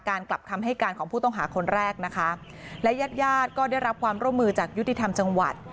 กลับคำให้การของผู้ต้องหาคนแรกนะคะและญาติญาติก็ได้รับความร่วมมือจากยุติธรรมจังหวัด